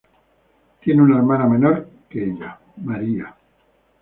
Tiene una hermana menor que ella, María.